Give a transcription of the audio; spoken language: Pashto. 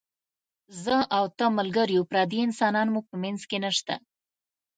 زه او ته ملګري یو، پردي انسانان مو په منځ کې نشته.